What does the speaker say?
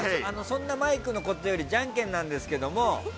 そんなマイクのことよりじゃんけんなんですけども。